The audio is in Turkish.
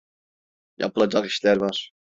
Yapılacak işler var.